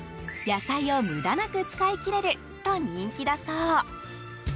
野菜を無駄なく使いきれると人気だそう。